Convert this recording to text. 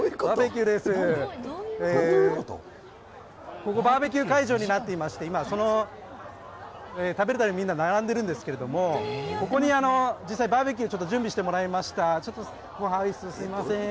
ここ、バーベキュー会場になっていまして、食べるためにみんな並んでいるんですけれども、ここに、実際バーベキュー準備してもらいました。